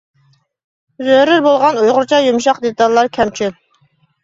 زۆرۈر بولغان ئۇيغۇرچە يۇمشاق دېتاللار كەمچىل.